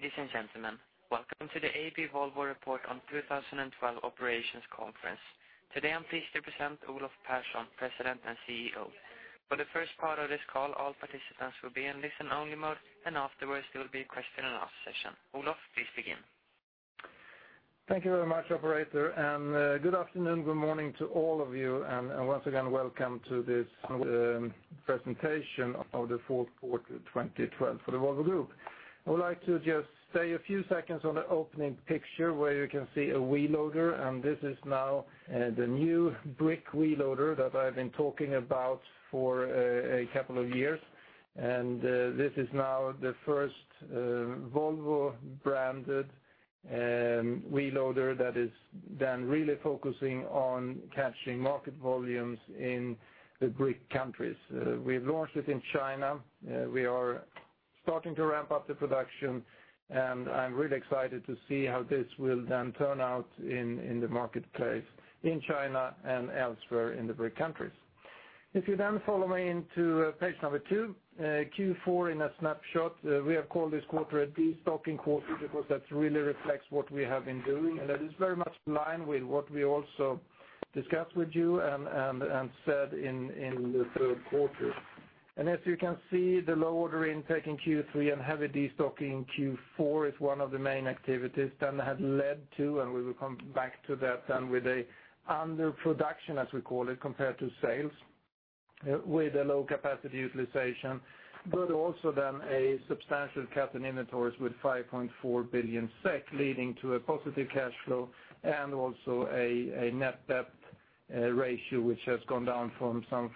Ladies and gentlemen, welcome to the AB Volvo report on 2012 operations conference. Today, I am pleased to present Olof Persson, President and CEO. For the first part of this call, all participants will be in listen only mode, and afterwards there will be a question and ask session. Olof, please begin. Thank you very much, operator. Good afternoon, good morning to all of you, once again, welcome to this presentation of the fourth quarter 2012 for the Volvo Group. I would like to just stay a few seconds on the opening picture where you can see a wheel loader. This is now the new BRIC wheel loader that I have been talking about for a couple of years. This is now the first Volvo-branded wheel loader that is then really focusing on capturing market volumes in the BRIC countries. We launched it in China. We are starting to ramp up the production. I am really excited to see how this will then turn out in the marketplace in China and elsewhere in the BRIC countries. Follow me into page number two, Q4 in a snapshot. We have called this quarter a destocking quarter because that really reflects what we have been doing. That is very much in line with what we also discussed with you and said in the third quarter. As you can see, the low order intake in Q3 and heavy destocking in Q4 is one of the main activities that has led to, we will come back to that then with a underproduction, as we call it, compared to sales with a low capacity utilization, also then a substantial cut in inventories with 5.4 billion SEK leading to a positive cash flow and also a net debt ratio, which has gone down from some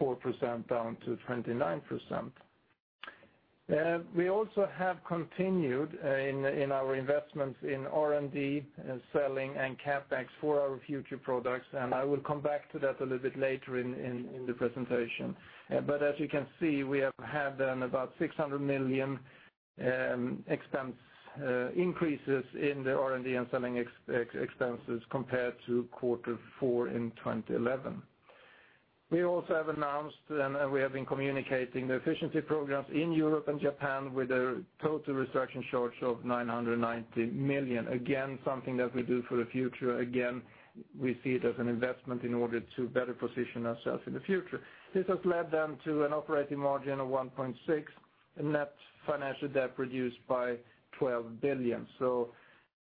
44% down to 29%. We also have continued in our investments in R&D, selling and CapEx for our future products. I will come back to that a little bit later in the presentation. As you can see, we have had then about 600 million expense increases in the R&D and selling expenses compared to quarter four in 2011. We also have announced and we have been communicating the efficiency programs in Europe and Japan with a total restructuring charge of 990 million. Again, something that we do for the future. Again, we see it as an investment in order to better position ourselves in the future. This has led then to an operating margin of 1.6%, a net financial debt reduced by 12 billion.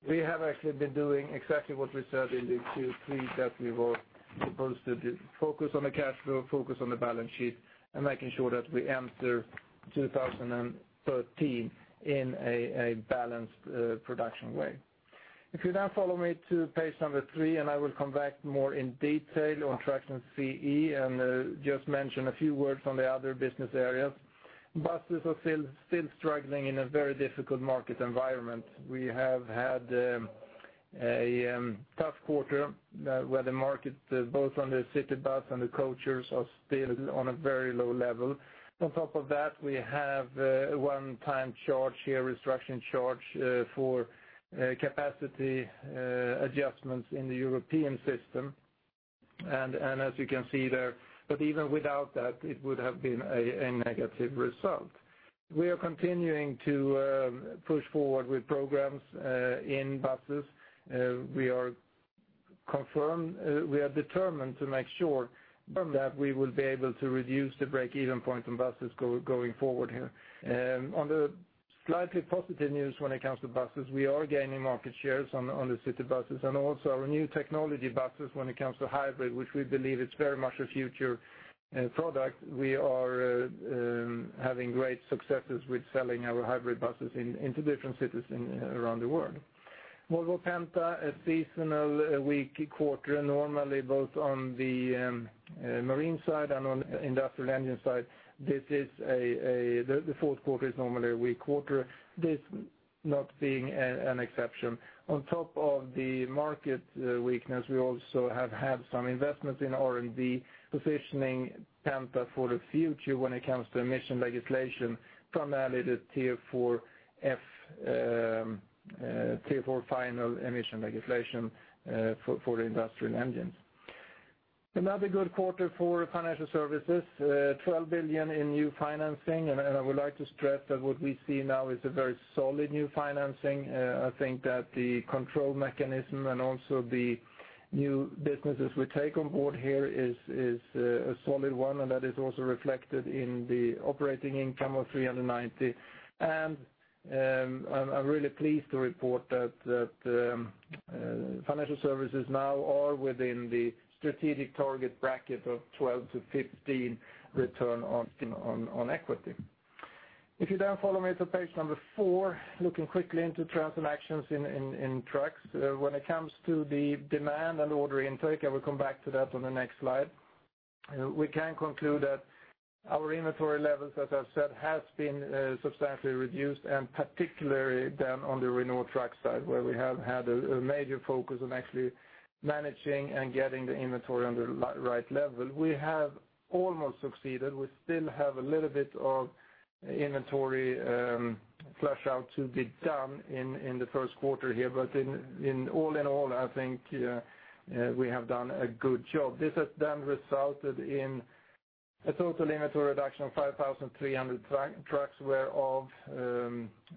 We have actually been doing exactly what we said in the Q3 that we were supposed to do. Focus on the cash flow, focus on the balance sheet making sure that we enter 2013 in a balanced production way. If you now follow me to page three, I will come back more in detail on Trucks and CE and just mention a few words on the other business areas. Buses are still struggling in a very difficult market environment. We have had a tough quarter where the market, both on the city bus and the coaches are still on a very low level. On top of that, we have a one-time charge here, restructuring charge for capacity adjustments in the European system. As you can see there, even without that, it would have been a negative result. We are continuing to push forward with programs in buses. We are determined to make sure that we will be able to reduce the break-even point on buses going forward here. On the slightly positive news when it comes to buses, we are gaining market shares on the city buses and also our new technology buses when it comes to hybrid, which we believe is very much a future product. We are having great successes with selling our hybrid buses into different cities around the world. Volvo Penta, a seasonal weak quarter. Normally both on the marine side and on the industrial engine side, the fourth quarter is normally a weak quarter, this not being an exception. On top of the market weakness, we also have had some investments in R&D, positioning Penta for the future when it comes to emission legislation, primarily the Tier 4 Final emission legislation for the industrial engines. Another good quarter for financial services, 12 billion in new financing. I would like to stress that what we see now is a very solid new financing. I think that the control mechanism and also the new businesses we take on board here is a solid one, and that is also reflected in the operating income of 390. I am really pleased to report that financial services now are within the strategic target bracket of 12% to 15% return on equity. If you now follow me to page four, looking quickly into transactions in Trucks. When it comes to the demand and order intake, I will come back to that on the next slide. We can conclude that our inventory levels, as I have said, has been substantially reduced and particularly down on the Renault Trucks side, where we have had a major focus on actually managing and getting the inventory on the right level. We have almost succeeded. We still have a little bit of inventory flush out to be done in the first quarter here, but all in all, I think we have done a good job. This has then resulted in a total inventory reduction of 5,300 trucks, whereof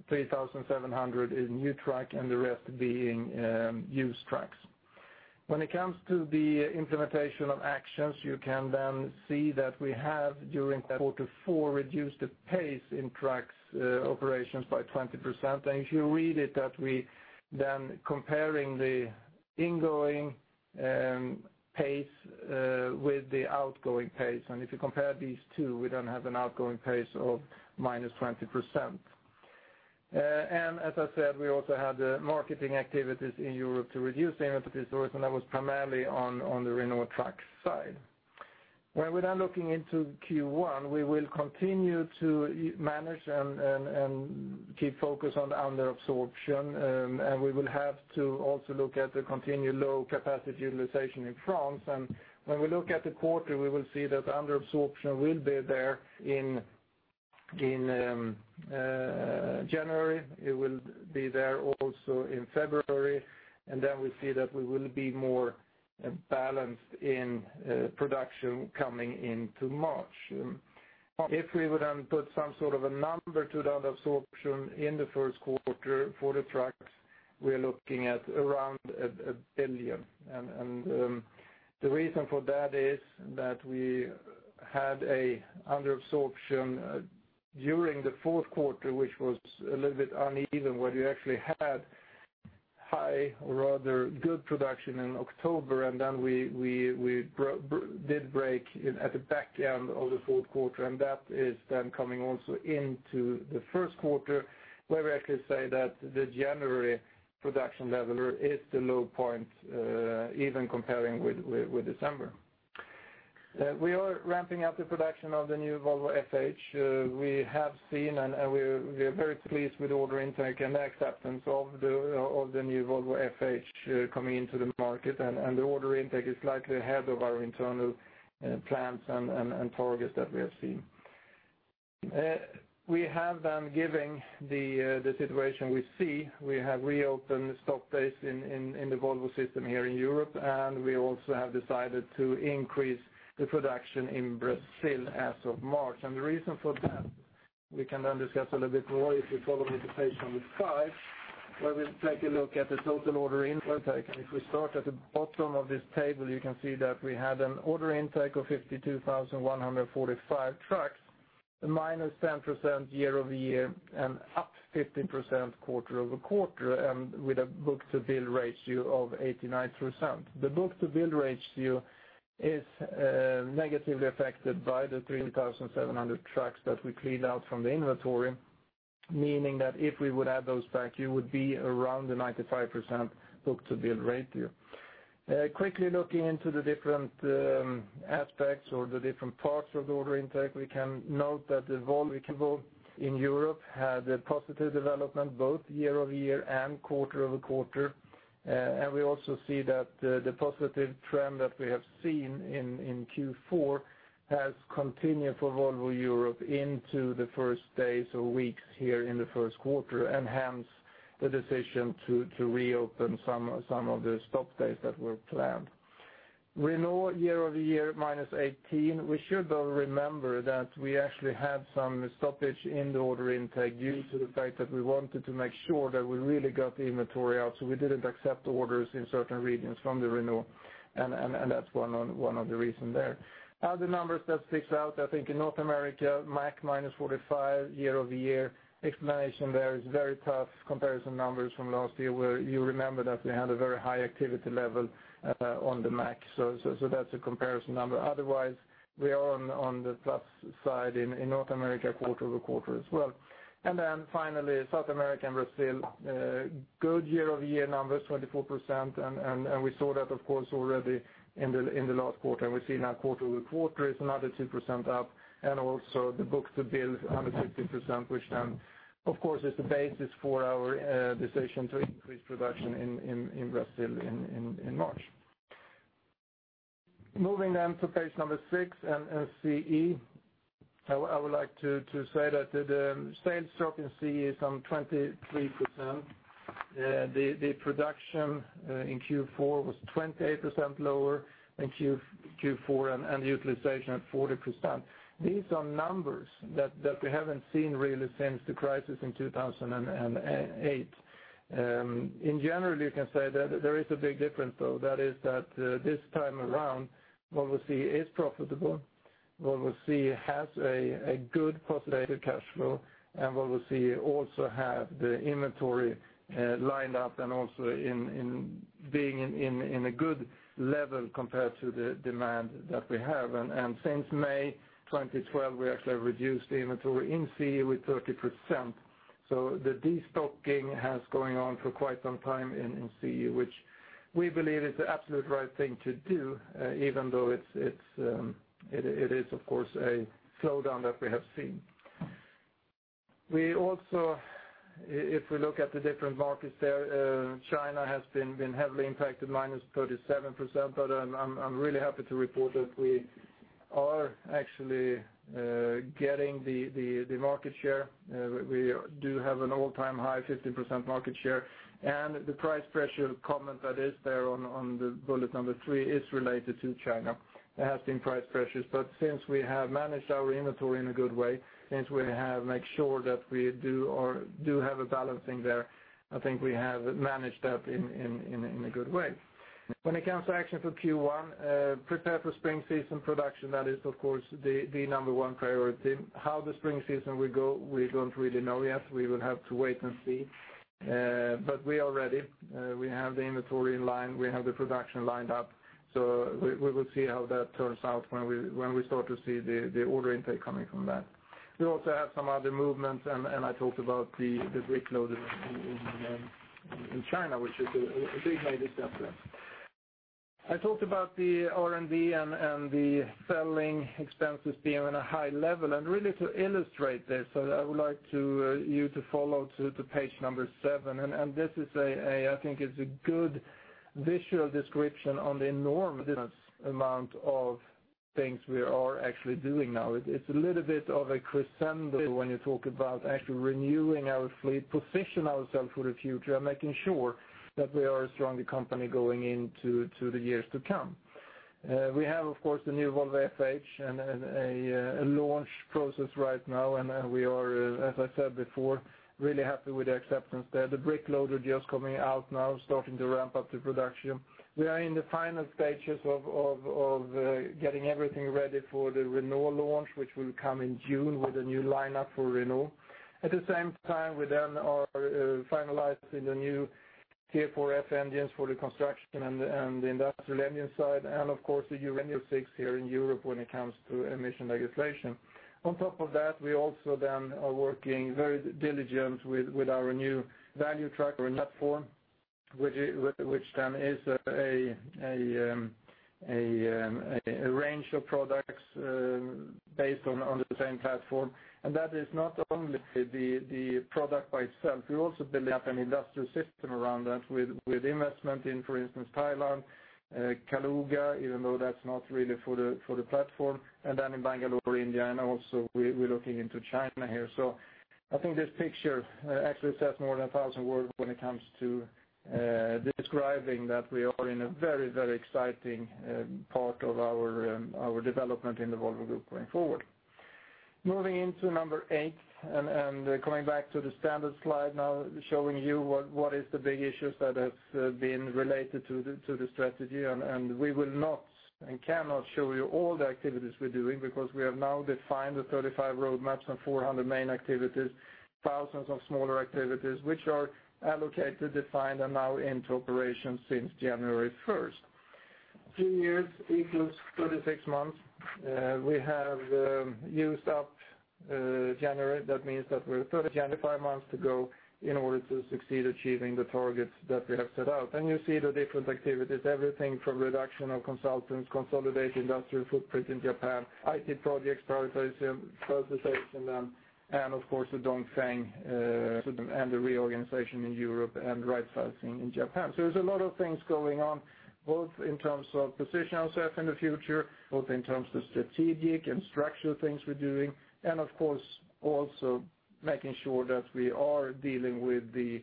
3,700 is new truck and the rest being used trucks. When it comes to the implementation of actions, you can then see that we have, during quarter four, reduced the pace in Trucks operations by 20%. If you read it that we then comparing the ingoing pace with the outgoing pace, and if you compare these two, we then have an outgoing pace of -20%. As I said, we also had the marketing activities in Europe to reduce the inventory source, and that was primarily on the Renault Trucks side. We're now looking into Q1, we will continue to manage and keep focus on the under absorption, we will have to also look at the continued low capacity utilization in France. When we look at the quarter, we will see that under absorption will be there in January. It will be there also in February. We see that we will be more balanced in production coming into March. If we would then put some sort of a number to that absorption in the first quarter for the trucks, we are looking at around 1 billion. The reason for that is that we had an under absorption during the fourth quarter, which was a little bit uneven, where we actually had high, or rather good production in October, we did break at the back end of the fourth quarter. That is then coming also into the first quarter, where we actually say that the January production level is the low point, even comparing with December. We are ramping up the production of the new Volvo FH. We have seen and we are very pleased with the order intake and the acceptance of the new Volvo FH coming into the market, the order intake is slightly ahead of our internal plans and targets that we have seen. We have then, given the situation we see, we have reopened the stop base in the Volvo system here in Europe, we also have decided to increase the production in Brazil as of March. The reason for that, we can then discuss a little bit more if we follow with the page number five, where we take a look at the total order intake. If we start at the bottom of this table, you can see that we had an order intake of 52,145 trucks, minus 10% year-over-year, up 15% quarter-over-quarter, with a book-to-bill ratio of 89%. The book-to-bill ratio is negatively affected by the 3,700 trucks that we cleaned out from the inventory, meaning that if we would add those back, you would be around the 95% book-to-bill ratio. Quickly looking into the different aspects or the different parts of the order intake, we can note that the volume we can build in Europe had a positive development both year-over-year and quarter-over-quarter. We also see that the positive trend that we have seen in Q4 has continued for Volvo Europe into the first days or weeks here in the first quarter, hence the decision to reopen some of the stop dates that were planned. Renault year-over-year, minus 18%. We should, though, remember that we actually had some stoppage in the order intake due to the fact that we wanted to make sure that we really got the inventory out. We didn't accept orders in certain regions from Renault, that's one of the reasons there. Other numbers that stick out, I think in North America, Mack minus 45% year-over-year. Explanation there is very tough comparison numbers from last year where you remember that we had a very high activity level on the Mack. That's a comparison number. Otherwise, we are on the plus side in North America quarter-over-quarter as well. Finally, South America and Brazil, good year-over-year numbers, 24%, we saw that, of course, already in the last quarter. We see now quarter-over-quarter is another 2% up, the book-to-bill 150%, which then, of course, is the basis for our decision to increase production in Brazil in March. Moving to page number six and CE. I would like to say that the sales drop in CE is on 23%. The production in Q4 was 28% lower in Q4 and utilization at 40%. These are numbers that we haven't seen really since the crisis in 2008. In general, you can say that there is a big difference, though. That is that this time around, Volvo CE is profitable. Volvo CE has a good positive cash flow, and Volvo CE also have the inventory lined up and also in being in a good level compared to the demand that we have. Since May 2012, we actually have reduced the inventory in CE with 30%. The de-stocking has going on for quite some time in CE, which we believe is the absolute right thing to do, even though it is, of course, a slowdown that we have seen. If we look at the different markets there, China has been heavily impacted, minus 37%, but I'm really happy to report that we are actually getting the market share. We do have an all-time high 15% market share, and the price pressure comment that is there on the bullet number three is related to China. There has been price pressures, since we have managed our inventory in a good way, since we have made sure that we do have a balancing there, I think we have managed that in a good way. When it comes to action for Q1, prepare for spring season production, that is, of course, the number 1 priority. How the spring season will go, we don't really know yet. We will have to wait and see. We are ready. We have the inventory in line. We have the production lined up. We will see how that turns out when we start to see the order intake coming from that. We have some other movements, and I talked about the BRIC loader in China, which is a big step there. I talked about the R&D and the selling expenses being on a high level. Really to illustrate this, I would like you to follow to page number seven. This is, I think is a good visual description on the enormous amount of things we are actually doing now. It's a little bit of a crescendo when you talk about actually renewing our fleet, position ourselves for the future, and making sure that we are a stronger company going into the years to come. We have, of course, the new Volvo FH and a launch process right now, and we are, as I said before, really happy with the acceptance there. The BRIC loader just coming out now, starting to ramp up the production. We are in the final stages of getting everything ready for the Renault launch, which will come in June with a new lineup for renewal. We are finalizing the new Tier 4 Final engines for the construction and the industrial engine side, and of course, the Euro 6 here in Europe when it comes to emission legislation. On top of that, we also then are working very diligent with our new value tractor platform, which then is a range of products based on the same platform. That is not only the product by itself. We're also building up an industrial system around that with investment in, for instance, Thailand, Kaluga, even though that's not really for the platform, and then in Bangalore, India, and also we're looking into China here. I think this picture actually says more than 1,000 words when it comes to describing that we are in a very exciting part of our development in the Volvo Group going forward. Moving into number eight and coming back to the standard slide now, showing you what is the big issues that have been related to the strategy. We will not and cannot show you all the activities we're doing because we have now defined the 35 roadmaps and 400 main activities, thousands of smaller activities, which are allocated, defined, and now into operations since January 1st. Two years equals 36 months. We have used up January. That means that we're 35 months to go in order to succeed achieving the targets that we have set out. You see the different activities, everything from reduction of consultants, consolidate industrial footprint in Japan, IT projects, prioritization, and of course, the Dongfeng and the reorganization in Europe and rightsizing in Japan. There's a lot of things going on, both in terms of position ourself in the future, both in terms of strategic and structural things we're doing, and of course, also making sure that we are dealing with the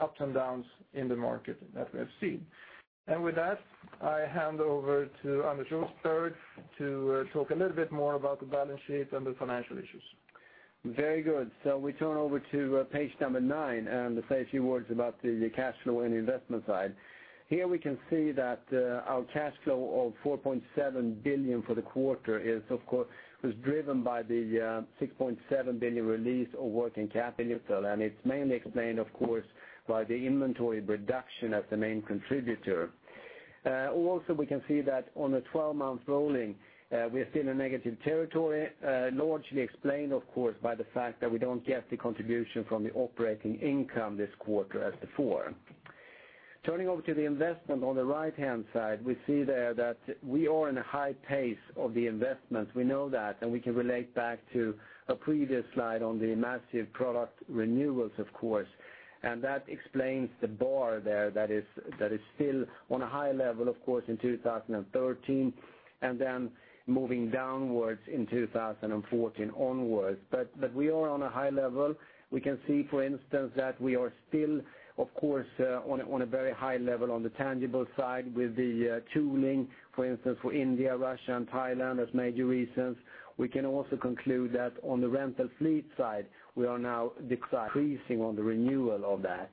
ups and downs in the market that we have seen. With that, I hand over to Anders Joelsson to talk a little bit more about the balance sheet and the financial issues. Very good. We turn over to page number nine and say a few words about the cash flow and the investment side. Here we can see that our cash flow of 4.7 billion for the quarter was driven by the 6.7 billion release of working capital. It's mainly explained, of course, by the inventory reduction as the main contributor. Also we can see that on a 12-month rolling, we are still in a negative territory, largely explained, of course, by the fact that we don't get the contribution from the operating income this quarter as before. Turning over to the investment on the right-hand side, we see there that we are in a high pace of the investment. We know that. We can relate back to a previous slide on the massive product renewals, of course. That explains the bar there that is still on a high level, of course, in 2013, moving downwards in 2014 onwards. But we are on a high level. We can see, for instance, that we are still, of course, on a very high level on the tangible side with the tooling, for instance, for India, Russia, and Thailand as major reasons. We can also conclude that on the rental fleet side, we are now decreasing on the Renault of that.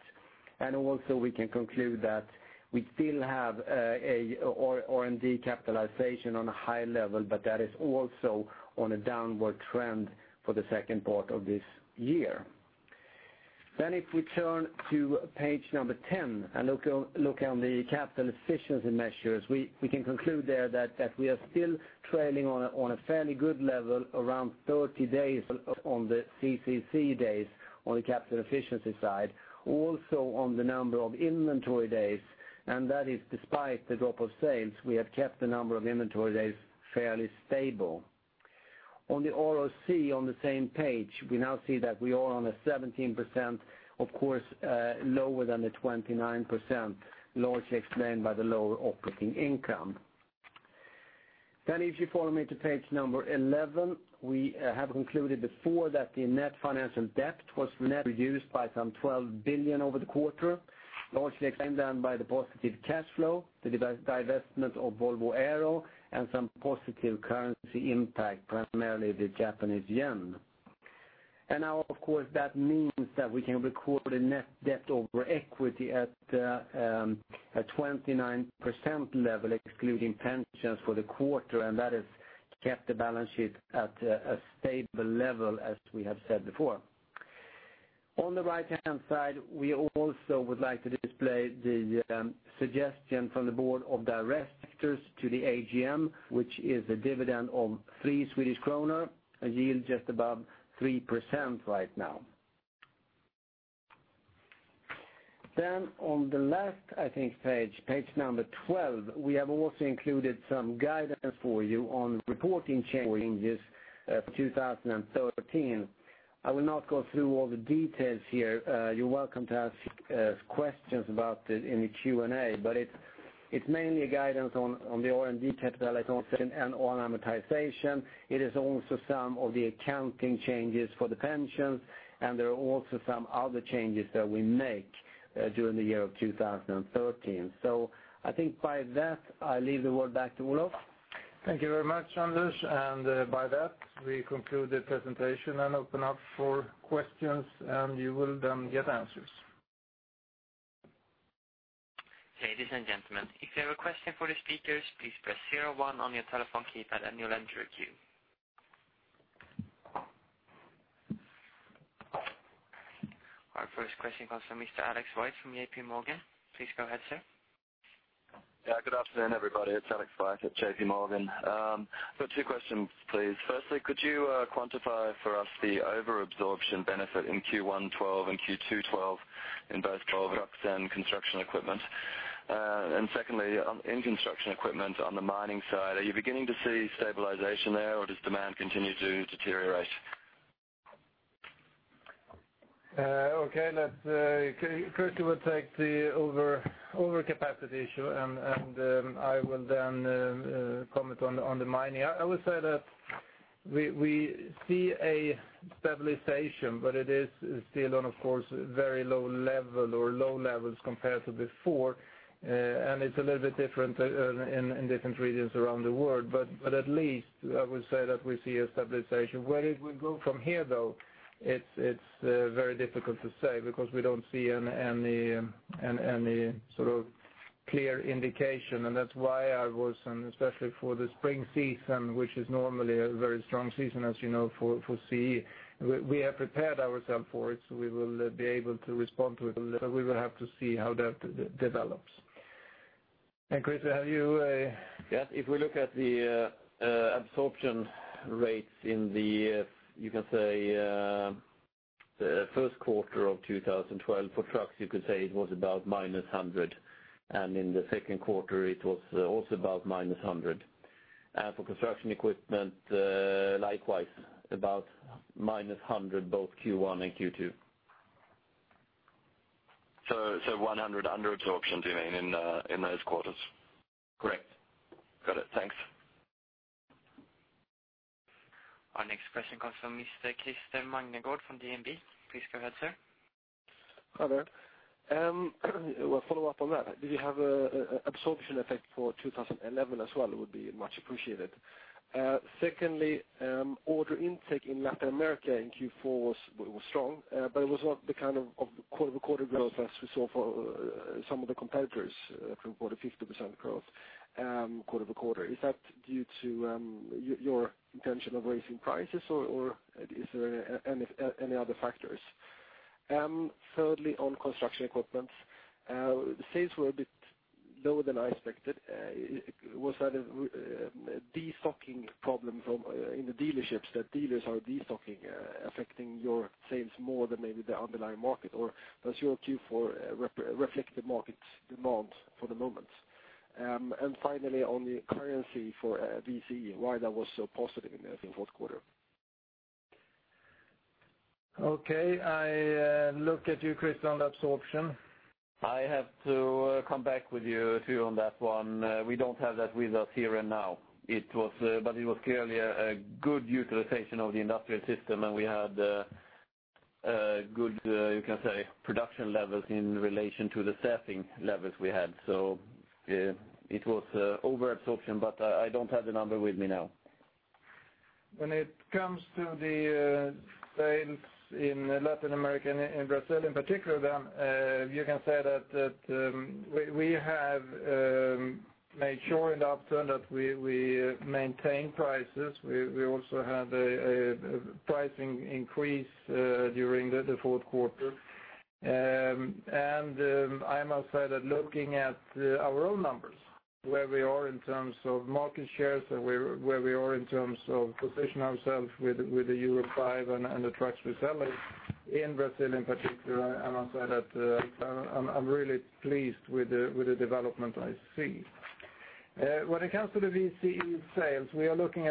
Also, we can conclude that we still have R&D capitalization on a high level, but that is also on a downward trend for the second part of this year. If we turn to page number 10 and look on the capital efficiency measures, we can conclude there that we are still trailing on a fairly good level, around 30 days on the CCC days on the capital efficiency side. Also on the number of inventory days, that is despite the drop of sales, we have kept the number of inventory days fairly stable. On the ROC on the same page, we now see that we are on a 17%, of course, lower than the 29%, largely explained by the lower operating income. If you follow me to page number 11, we have concluded before that the net financial debt was net reduced by some 12 billion SEK over the quarter, largely explained by the positive cash flow, the divestment of Volvo Aero, and some positive currency impact, primarily the Japanese yen. Now, of course, that means that we can record a net debt over equity at a 29% level, excluding pensions for the quarter, that has kept the balance sheet at a stable level, as we have said before. On the right-hand side, we also would like to display the suggestion from the board of directors to the AGM, which is a dividend of three Swedish krona, a yield just above 3% right now. On the last, I think page number 12, we have also included some guidance for you on reporting changes of 2013. I will not go through all the details here. You are welcome to ask questions about it in the Q&A, but it is mainly a guidance on the R&D capitalization and on amortization. It is also some of the accounting changes for the pensions, there are also some other changes that we make during the year of 2013. I think by that, I leave the word back to Olof. Thank you very much, Anders, and by that, we conclude the presentation and open up for questions. You will then get answers. Ladies and gentlemen, if you have a question for the speakers, please press 01 on your telephone keypad and you will enter a queue. Our first question comes from Mr. Alex White from J.P. Morgan. Please go ahead, sir. Yeah, good afternoon, everybody. It is Alex White at J.P. Morgan. I have got two questions, please. Firstly, could you quantify for us the overabsorption benefit in Q1 2012 and Q2 2012 in both Volvo Trucks and Construction Equipment? Secondly, in Construction Equipment on the mining side, are you beginning to see stabilization there, or does demand continue to deteriorate? Okay. Christian will take the overcapacity issue. I will then comment on the mining. I would say that we see a stabilization, but it is still on, of course, a very low level or low levels compared to before. It is a little bit different in different regions around the world. At least I would say that we see a stabilization. Where it will go from here, though, it is very difficult to say because we do not see any sort of clear indication. Especially for the spring season, which is normally a very strong season as you know for CE. We have prepared ourself for it, so we will be able to respond to it a little. We will have to see how that develops. Christian, how are you? Yes, if we look at the absorption rates in the, you can say first quarter of 2012, for trucks, you could say it was about -100, and in the second quarter it was also about -100. For Construction Equipment, likewise, about -100, both Q1 and Q2. 100 under absorptions you mean in those quarters? Correct. Got it. Thanks. Our next question comes from Mr. Krister Magnergård from DNB. Please go ahead, sir. Hi there. Well, follow up on that. Do you have absorption effect for 2011 as well? Would be much appreciated. Secondly, order intake in Latin America in Q4 was strong, but it was not the kind of quarter-over-quarter growth as we saw for some of the competitors who reported 50% growth quarter-over-quarter. Is that due to your intention of raising prices or is there any other factors? Thirdly, on construction equipment, the sales were a bit lower than I expected. Was that a de-stocking problem in the dealerships that dealers are de-stocking, affecting your sales more than maybe the underlying market? Or does your Q4 reflect the market demand for the moment? Finally, on the currency for VCE, why that was so positive in the fourth quarter? Okay. I look at you, Krister, on the absorption. I have to come back with you too on that one. We don't have that with us here and now. It was clearly a good utilization of the industrial system, and we had good, you can say, production levels in relation to the surfing levels we had. It was overabsorption, but I don't have the number with me now. When it comes to the sales in Latin America and Brazil in particular, you can say that we have made sure in the upturn that we maintain prices. We also had a pricing increase during the fourth quarter. I must say that looking at our own numbers, where we are in terms of market shares and where we are in terms of positioning ourselves with the Euro 5 and the trucks we sell in Brazil in particular, I must say that I'm really pleased with the development I see. When it comes to the VCE sales, we are looking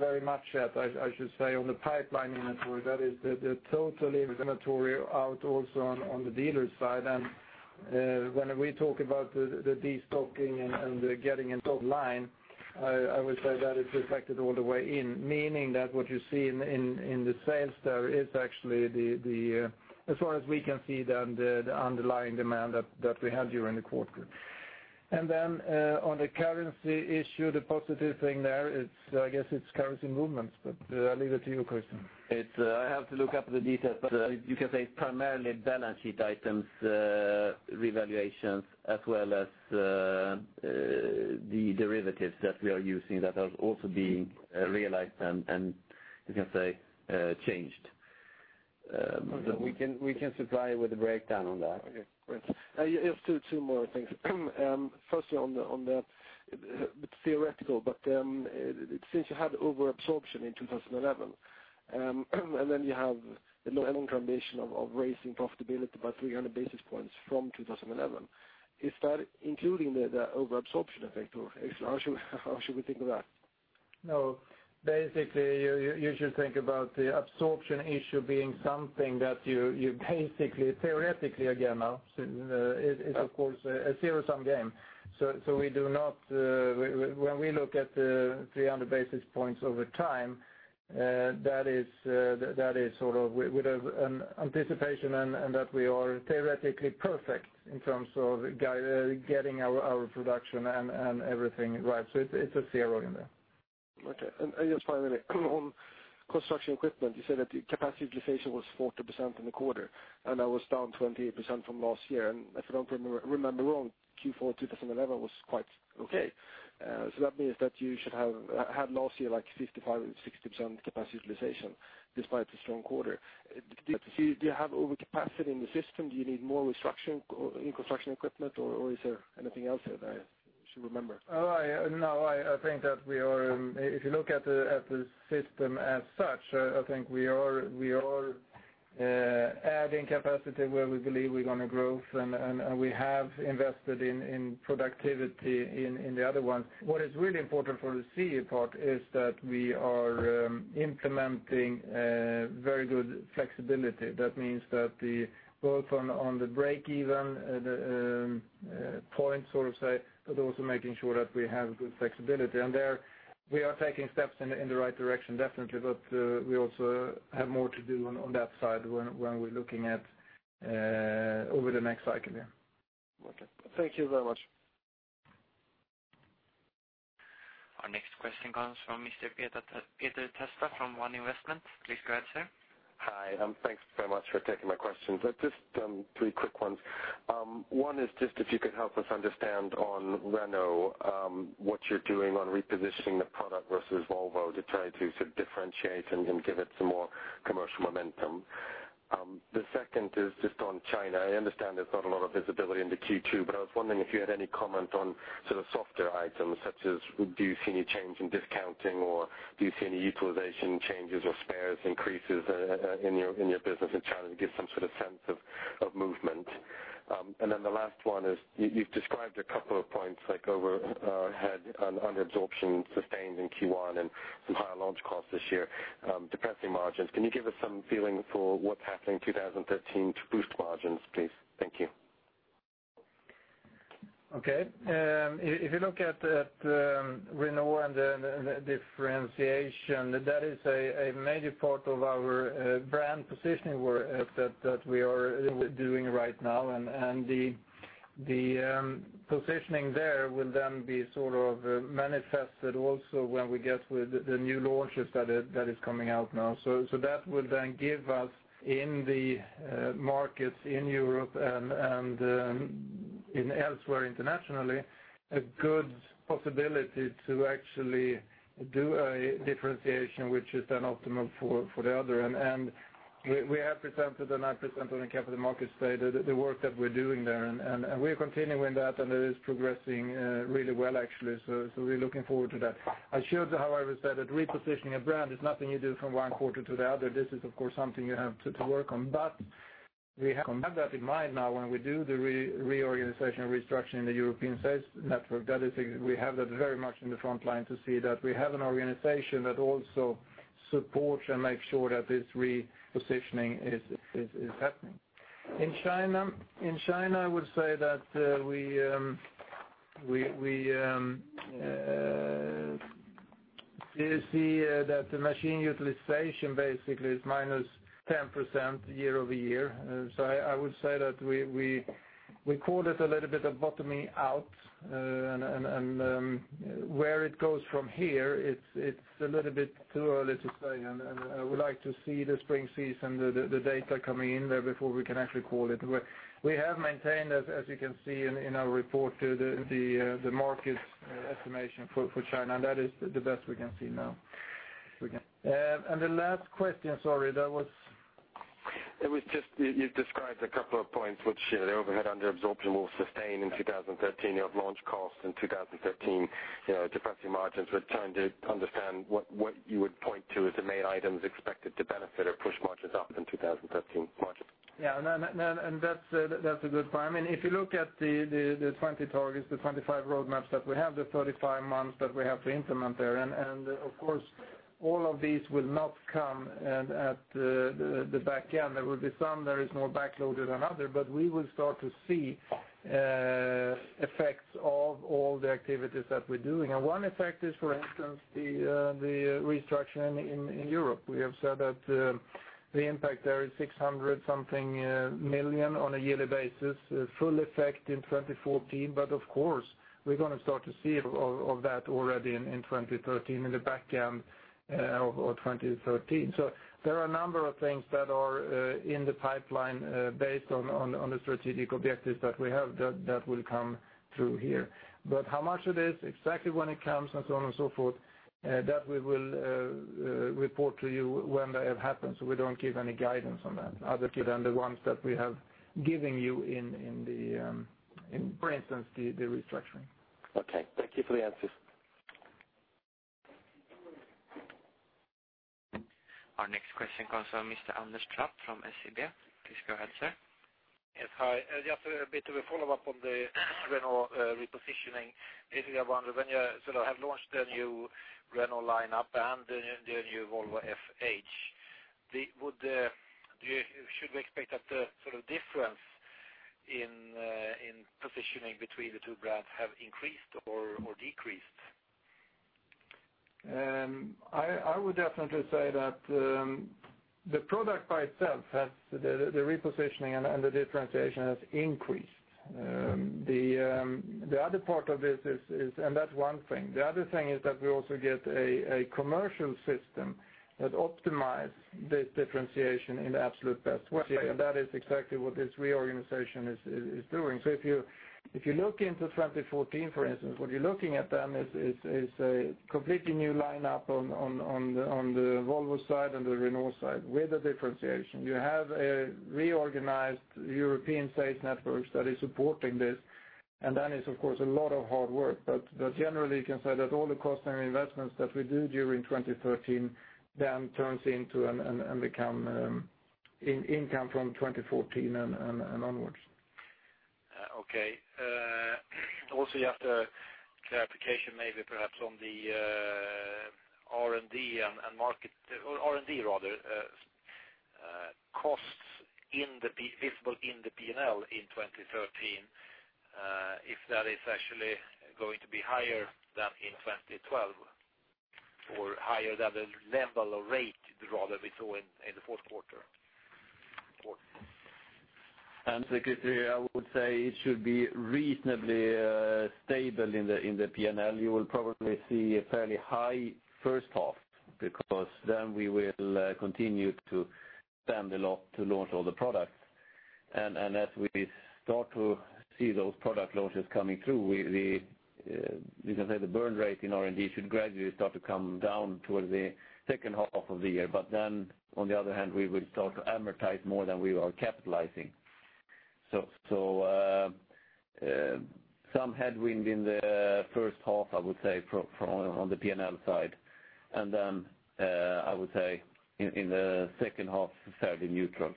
very much at, I should say, on the pipeline inventory, that is the total inventory out also on the dealer side. When we talk about the de-stocking and the getting into line, I would say that is reflected all the way in, meaning that what you see in the sales there is actually, as far as we can see, the underlying demand that we had during the quarter. Then, on the currency issue, the positive thing there is, I guess it's currency movements, but I'll leave it to you, Kristin. I have to look up the details, you can say it's primarily balance sheet items, revaluations, as well as the derivatives that we are using that are also being realized and, you can say, changed. We can supply with a breakdown on that. Okay, great. Just two more things. Firstly on the, it's theoretical, but since you had over-absorption in 2011, then you have an inclination of raising profitability by 300 basis points from 2011. Is that including the over-absorption effect, or how should we think of that? You should think about the absorption issue being something that you basically, theoretically, again now, it's of course a zero-sum game. We do not, when we look at the 300 basis points over time, that is sort of with an anticipation and that we are theoretically perfect in terms of getting our production and everything right. It's a zero in there. Okay. Just finally, on construction equipment, you said that capacity utilization was 40% in the quarter, and that was down 28% from last year. If I don't remember wrong, Q4 2011 was quite okay. That means that you should have had last year 55% or 60% capacity utilization despite the strong quarter. Do you have overcapacity in the system? Do you need more restructuring in construction equipment, or is there anything else that I should remember? I think that if you look at the system as such, I think we are adding capacity where we believe we're going to grow, and we have invested in productivity in the other ones. What is really important for the CE part is that we are implementing very good flexibility. That means that both on the break-even point, so to say, but also making sure that we have good flexibility. There, we are taking steps in the right direction, definitely, but we also have more to do on that side when we're looking at over the next cycle. Okay. Thank you very much. Our next question comes from Mr. Peter Testa from One Investment. Please go ahead, sir. Hi, thanks very much for taking my questions. Just three quick ones. One is just if you could help us understand on Renault, what you're doing on repositioning the product versus Volvo to try to differentiate and give it some more commercial momentum. The second is just on China. I understand there's not a lot of visibility into Q2, but I was wondering if you had any comment on softer items such as, do you see any change in discounting or do you see any utilization changes or spares increases in your business in China to give some sort of sense of movement? The last one is, you've described a couple of points like overhead and under-absorption sustained in Q1 and some higher launch costs this year depressing margins. Can you give us some feeling for what's happening in 2013 to boost margins, please? Thank you. If you look at Renault and the differentiation, that is a major part of our brand positioning work that we are doing right now. The positioning there will then be sort of manifested also when we get the new launches that is coming out now. That will then give us, in the markets in Europe and elsewhere internationally, a good possibility to actually do a differentiation which is then optimum for the other. We have presented, and I presented on Capital Markets Day, the work that we're doing there, and we're continuing that and it is progressing really well, actually. We're looking forward to that. I should, however, say that repositioning a brand is nothing you do from one quarter to the other. This is, of course, something you have to work on. We have to have that in mind now when we do the reorganization and restructuring in the European sales network. That is, we have that very much in the frontline to see that we have an organization that also supports and makes sure that this repositioning is happening. In China, I would say that we see that the machine utilization basically is minus 10% year-over-year. I would say that we call it a little bit of bottoming out. Where it goes from here, it's a little bit too early to say, and we like to see the spring season, the data coming in there before we can actually call it. We have maintained, as you can see in our report, the market estimation for China, and that is the best we can see now. The last question, sorry, that was? You've described a couple of points, which the overhead under-absorption will sustain in 2013. You have launch costs in 2013 depressing margins. We're trying to understand what you would point to as the main items expected to benefit or push margins up in 2013. Yeah. That's a good point. If you look at the 20 targets, the 25 roadmaps that we have, the 35 months that we have to implement there, of course, all of these will not come at the back end. There will be some that are more back-loaded than others, but we will start to see effects of all the activities that we're doing. One effect is, for instance, the restructure in Europe. We have said that the impact there is 600 something million on a yearly basis, full effect in 2014. Of course, we're going to start to see that already in 2013, in the back end of 2013. There are a number of things that are in the pipeline based on the strategic objectives that we have that will come through here. How much it is, exactly when it comes, and so on and so forth, that we will report to you when that happens. We don't give any guidance on that other than the ones that we have given you in, for instance, the restructuring. Okay. Thank you for the answers. Our next question comes from Mr. Anders Trapp from SEB. Please go ahead, sir. Yes. Hi. Just a bit of a follow-up on the Renault repositioning. Basically, I wonder, when you have launched the new Renault lineup and the new Volvo FH, should we expect that the difference in positioning between the two brands have increased or decreased? I would definitely say that the product by itself has the repositioning and the differentiation has increased. The other part of this is, and that's one thing. The other thing is that we also get a commercial system that optimizes this differentiation in the absolute best way, and that is exactly what this reorganization is doing. If you look into 2014, for instance, what you're looking at then is a completely new lineup on the Volvo side and the Renault side with a differentiation. You have a reorganized European sales network that is supporting this, and that is, of course, a lot of hard work. Generally, you can say that all the cost and investments that we do during 2013 then turns into and become income from 2014 and onwards. Okay. Also, you have the clarification maybe perhaps on the R&D and market, or R&D rather, costs visible in the P&L in 2013, if that is actually going to be higher than in 2012 or higher than the level or rate, rather, we saw in the fourth quarter. Anders, I would say it should be reasonably stable in the P&L. You will probably see a fairly high first half because then we will continue to spend a lot to launch all the products. As we start to see those product launches coming through, you can say the burn rate in R&D should gradually start to come down towards the second half of the year. On the other hand, we will start to amortize more than we are capitalizing. Some headwind in the first half, I would say, on the P&L side, and then I would say in the second half, fairly neutral.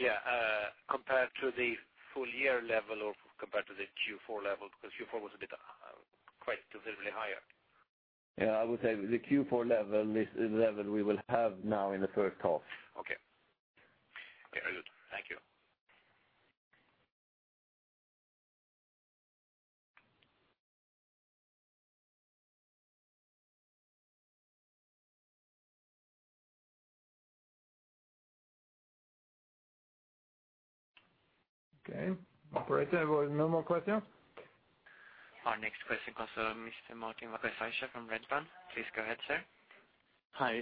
Yeah. Compared to the full-year level or compared to the Q4 level, because Q4 was quite visibly higher. Yeah, I would say the Q4 level is the level we will have now in the first half. Okay. Very good. Thank you. Okay. Operator, no more questions? Our next question comes from Mr. Martin Viecha from Redburn. Please go ahead, sir. Hi.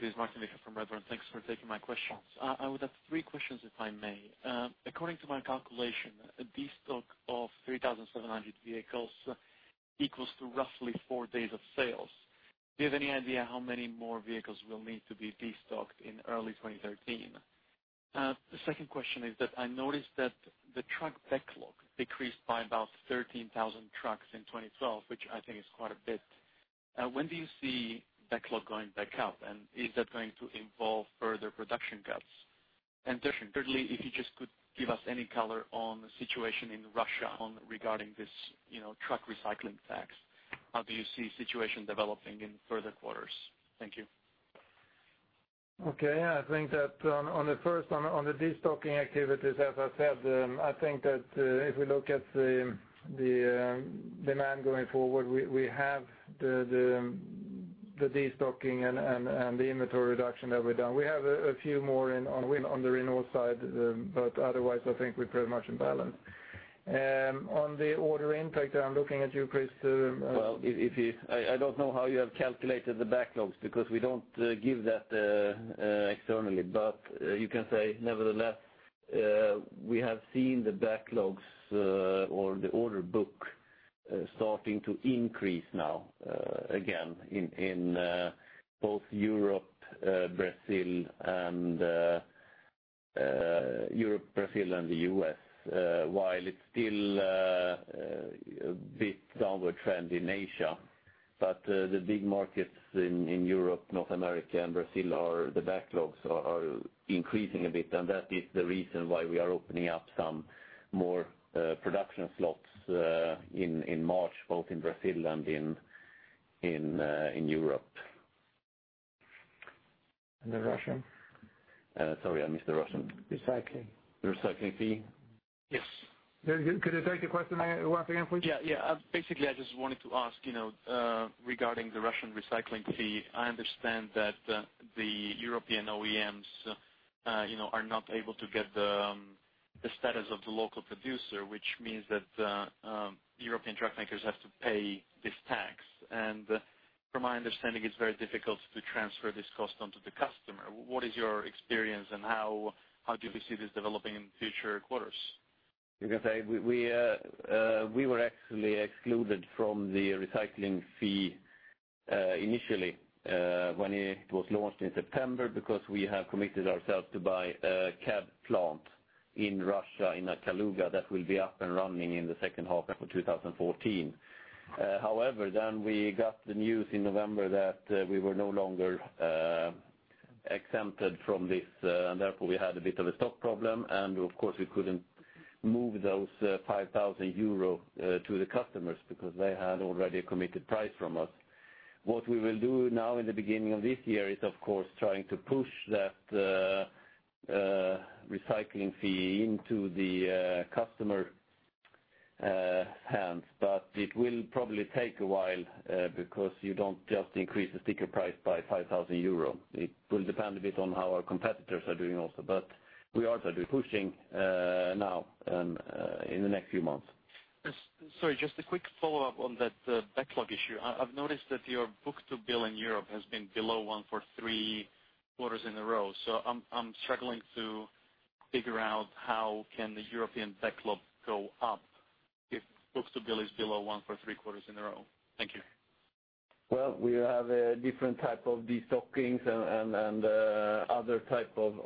This is Martin Viecha from Redburn. Thanks for taking my questions. I would have three questions, if I may. According to my calculation, a destock of 3,700 vehicles equals to roughly four days of sales. Do you have any idea how many more vehicles will need to be destocked in early 2013? The second question is that I noticed that the truck backlog decreased by about 13,000 trucks in 2012, which I think is quite a bit. When do you see backlog going back up, and is that going to involve further production cuts? Thirdly, if you just could give us any color on the situation in Russia regarding this truck recycling tax. How do you see the situation developing in further quarters? Thank you. Okay. I think that on the first, on the destocking activities, as I said, I think that if we look at the demand going forward, we have the destocking and the inventory reduction that we've done. We have a few more on the Renault side, but otherwise, I think we're pretty much in balance. On the order intake there, I'm looking at you, Christian. Well, I don't know how you have calculated the backlogs because we don't give that externally. You can say, nevertheless, we have seen the backlogs or the order book starting to increase now again in both Europe, Brazil, and the U.S. While it's still a bit downward trend in Asia. The big markets in Europe, North America, and Brazil, the backlogs are increasing a bit, and that is the reason why we are opening up some more production slots in March, both in Brazil and in Europe. The Russian? Sorry, I missed the Russian. Recycling. The recycling fee? Yes. Could you take the question once again, please? Yeah. Basically, I just wanted to ask regarding the Russian recycling fee, I understand that the European OEMs are not able to get the status of the local producer, which means that European truck makers have to pay this tax. From my understanding, it's very difficult to transfer this cost on to the customer. What is your experience, and how do you foresee this developing in future quarters? You can say we were actually excluded from the recycling fee initially, when it was launched in September because we have committed ourselves to buy a cab plant in Russia, in Kaluga, that will be up and running in the second half of 2014. However, we got the news in November that we were no longer exempted from this, therefore, we had a bit of a stock problem. Of course, we couldn't move those 5,000 euro to the customers because they had already a committed price from us. What we will do now in the beginning of this year is, of course, trying to push that recycling fee into the customer hands. It will probably take a while, because you don't just increase the sticker price by 5,000 euros. It will depend a bit on how our competitors are doing also. We are pushing now and in the next few months. Sorry, just a quick follow-up on that backlog issue. I have noticed that your book-to-bill in Europe has been below one for three quarters in a row. So I am struggling to figure out how can the European backlog go up if book-to-bill is below one for three quarters in a row. Thank you. Well, we have a different type of destockings and other type of,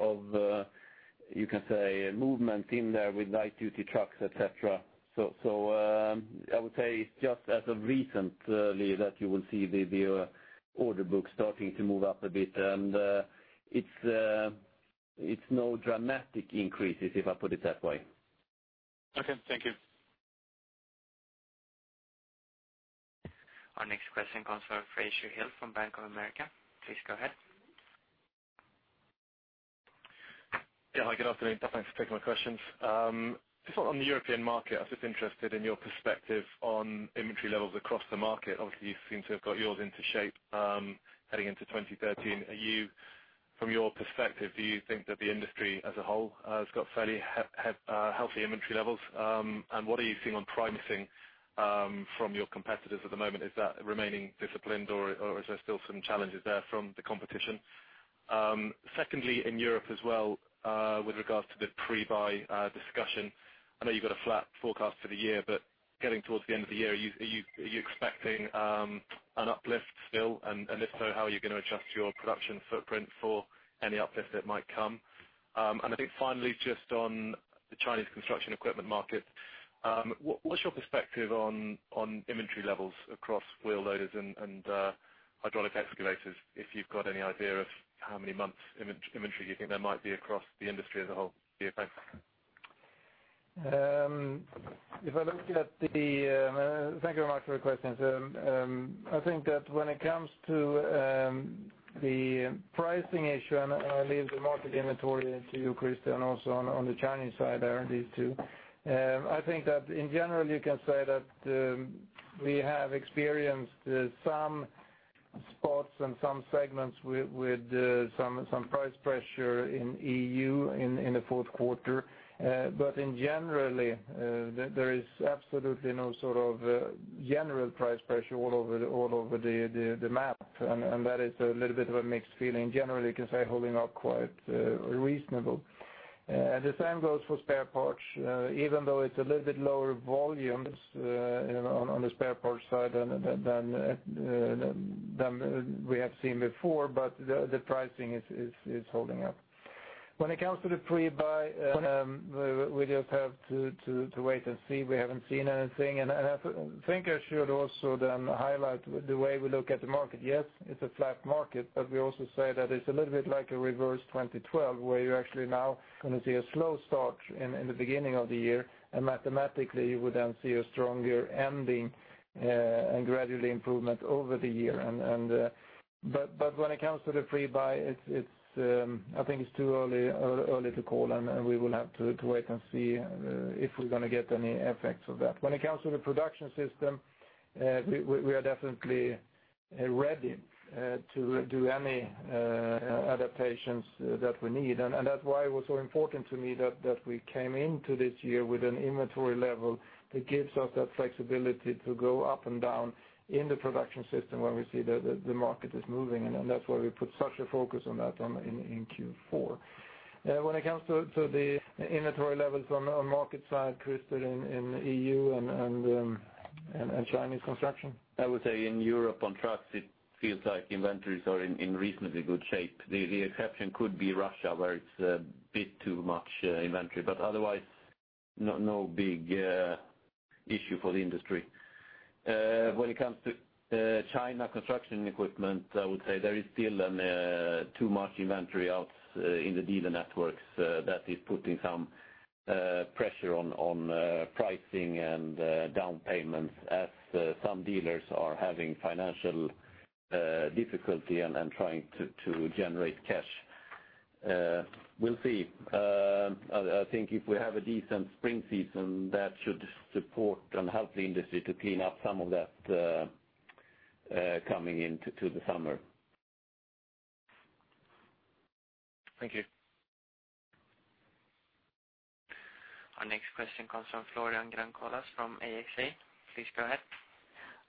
you can say, movement in there with light-duty trucks, et cetera. So I would say it is just as of recently that you will see the order book starting to move up a bit. And it is no dramatic increases, if I put it that way. Okay, thank you. Our next question comes from Fraser Hill from Bank of America. Please go ahead. Hi, good afternoon. Thanks for taking my questions. On the European market, I was interested in your perspective on inventory levels across the market. Obviously, you seem to have got yours into shape, heading into 2013. From your perspective, do you think that the industry as a whole has got fairly healthy inventory levels? What are you seeing on pricing from your competitors at the moment? Is that remaining disciplined, or is there still some challenges there from the competition? Secondly, in Europe as well, with regards to the pre-buy discussion, I know you've got a flat forecast for the year, but getting towards the end of the year, are you expecting an uplift still? If so, how are you going to adjust your production footprint for any uplift that might come? Finally, on the Chinese construction equipment market, what's your perspective on inventory levels across wheel loaders and hydraulic excavators? If you've got any idea of how many months inventory you think there might be across the industry as a whole? Thanks. Thank you very much for your questions. When it comes to the pricing issue, I leave the market inventory to you, Christian, also on the Chinese side there, these two. In general, you can say that we have experienced some spots and some segments with some price pressure in EU in the fourth quarter. In general, there is absolutely no sort of general price pressure all over the map, and that is a little bit of a mixed feeling. Generally, you can say holding up quite reasonable. The same goes for spare parts, even though it's a little bit lower volumes on the spare parts side than we have seen before, but the pricing is holding up. When it comes to the pre-buy, we have to wait and see. We haven't seen anything. I should also highlight the way we look at the market. Yes, it's a flat market, but we also say that it's a little bit like a reverse 2012, where you're actually now going to see a slow start in the beginning of the year, and mathematically, you would then see a stronger ending and gradual improvement over the year. When it comes to the pre-buy, it's too early to call, and we will have to wait and see if we're going to get any effects of that. When it comes to the production system, we are definitely ready to do any adaptations that we need. That's why it was so important to me that we came into this year with an inventory level that gives us that flexibility to go up and down in the production system when we see the market is moving, and that's why we put such a focus on that in Q4. When it comes to the inventory levels on market side, Christian, in EU and Chinese construction. I would say in Europe on trucks, it feels like inventories are in reasonably good shape. The exception could be Russia, where it's a bit too much inventory, but otherwise. No big issue for the industry. When it comes to China construction equipment, I would say there is still too much inventory out in the dealer networks that is putting some pressure on pricing and down payments, as some dealers are having financial difficulty and trying to generate cash. We'll see. I think if we have a decent spring season, that should support and help the industry to clean up some of that coming into the summer. Thank you. Our next question comes from Florian Grandcolas from AXA. Please go ahead.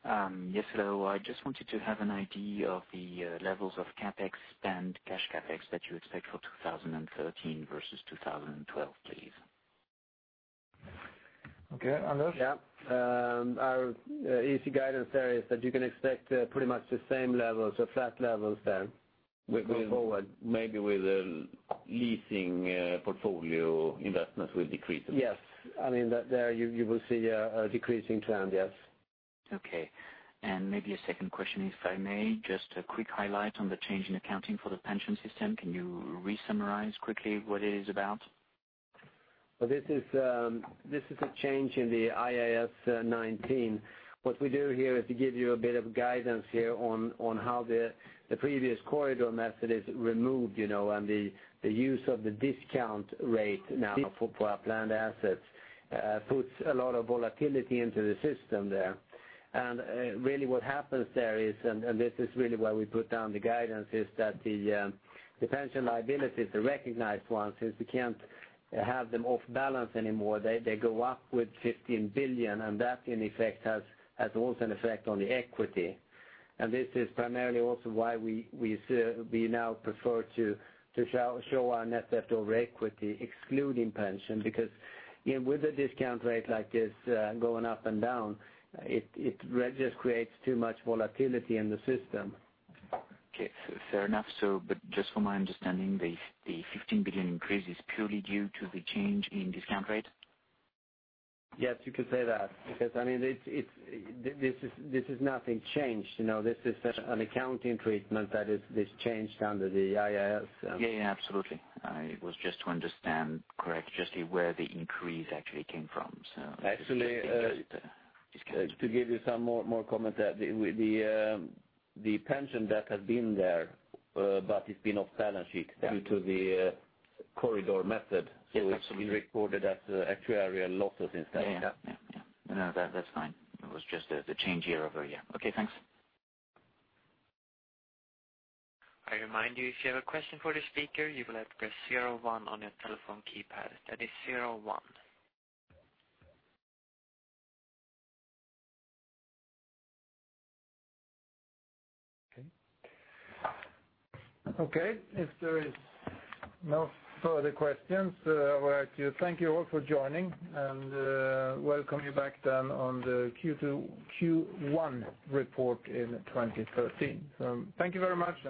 Yes, hello. I just wanted to have an idea of the levels of CapEx spend, cash CapEx that you expect for 2013 versus 2012, please. Okay, Anders? Yeah. Our easy guidance there is that you can expect pretty much the same levels, so flat levels then going forward. Maybe with a leasing portfolio, investments will decrease a bit. Yes. There, you will see a decrease in trend, yes. Okay. Maybe a second question, if I may. Just a quick highlight on the change in accounting for the pension system. Can you re-summarize quickly what it is about? This is a change in the IAS 19. What we do here is to give you a bit of guidance here on how the previous corridor method is removed, and the use of the discount rate now for our planned assets, puts a lot of volatility into the system there. Really what happens there is, and this is really why we put down the guidance, is that the pension liability is a recognized one, since we can't have them off balance anymore. They go up with 15 billion, and that has also an effect on the equity. This is primarily also why we now prefer to show our net debt over equity excluding pension, because with a discount rate like this going up and down, it just creates too much volatility in the system. Okay. Fair enough. Just for my understanding, the 15 billion increase is purely due to the change in discount rate? Yes, you could say that. This is nothing changed. This is such an accounting treatment that is changed under the IAS. Yeah, absolutely. It was just to understand correctly just where the increase actually came from. Actually- Just the discount. To give you some more comment there. The pension debt has been there, but it's been off balance sheet due to the corridor method. Yes, absolutely. It's been recorded as actuarial losses instead. Yeah. No, that's fine. It was just the change year-over-year. Okay, thanks. I remind you, if you have a question for the speaker, you will have to press 01 on your telephone keypad. That is zero one. Okay. If there is no further questions, I would like to thank you all for joining, and welcome you back then on the Q1 report in 2013. Thank you very much.